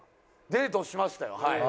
デートしましたよはい。